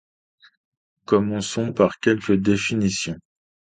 Commençons par quelques définitions.